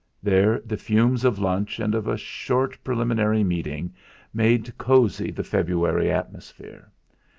There, the fumes of lunch and of a short preliminary meeting made cosy the February atmosphere.